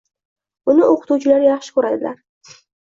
Uni o‘qituvchilari yaxshi ko‘radilar.